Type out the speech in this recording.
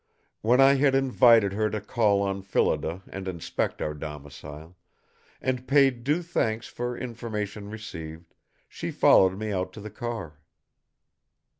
When I had invited her to call on Phillida and inspect our domicile, and paid due thanks for information received, she followed me out to the car.